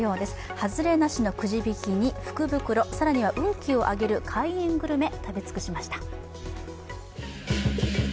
外れなしのくじ引きに福袋、更には運気を上げる開運グルメ、食べ尽くしました。